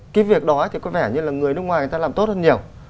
cái việc đó thì có vẻ như là người nước ngoài người ta làm tốt hơn nhiều